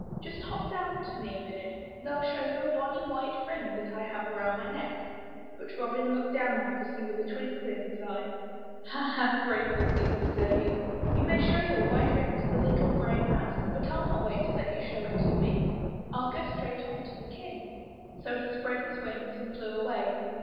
"Just hop down to me a minute and FU show you a bonny white ring that I have around my neck." But Robin looked down on Pussy with a twinkle in his eye. "Ha! Ha! gray Pussy," said he, "you may show your white ring to the little gray mouse, but Fll not 163 MY BOOK HOUSE wait to let you show it to me ! FU go straight on to the King!'' So he spread his wings and flew away.